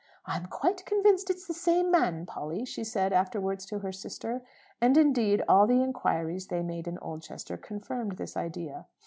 "I'm quite convinced it's the same man, Polly," she said afterwards to her sister. And, indeed, all the inquiries they made in Oldchester confirmed this idea.